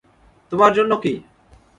তোমার জন্য কী?